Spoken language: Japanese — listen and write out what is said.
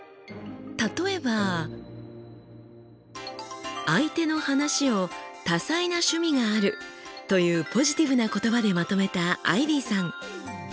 例えば相手の話を「たさいなしゅみがある」というポジティブな言葉でまとめたアイビーさん。